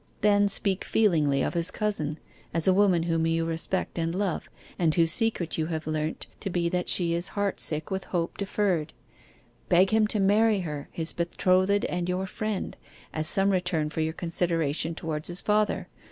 Then speak feelingly of his cousin, as a woman whom you respect and love, and whose secret you have learnt to be that she is heart sick with hope deferred. Beg him to marry her, his betrothed and your friend, as some return for your consideration towards his father.